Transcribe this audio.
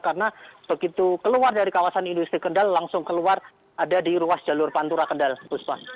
karena begitu keluar dari kawasan indusri kendal langsung keluar ada di ruas jalur pantura kendal bu sba